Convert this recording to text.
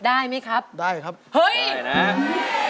ได้ไหมครับฮึ้ยได้นะได้ครับ